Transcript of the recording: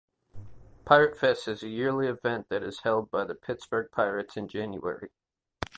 Piratefest is a yearly event that is held by the Pittsburgh Pirates in January.